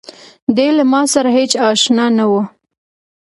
دی له ماسره هېڅ آشنا نه و.